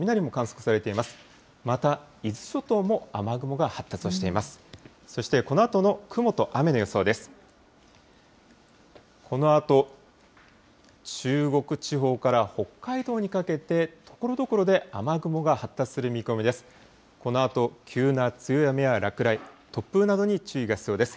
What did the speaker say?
このあと中国地方から北海道にかけて、ところどころで雨雲が発達する見込みです。